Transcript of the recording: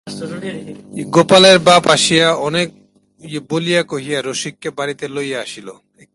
গোপালের বাপ আসিয়া অনেক বলিয়া কহিয়া রসিককে বাড়িতে লইয়া আসিল।